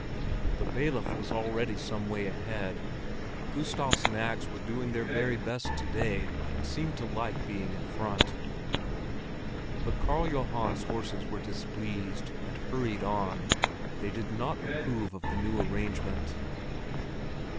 The bailiff was already some way ahead; Gustav's nags were doing their very best to day, and seemed to like being in front. But Karl Johan's horses were displeased, and hurried on; they did not approve of the new arrangement.